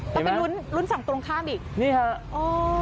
มันเป็นลุ้นลุ้นสังตรงข้ามอีก